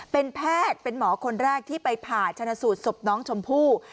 เป็นแพทย์เป็นหมอคนแรกที่ไปผ่าชนะสูตรศพน้องชมพู่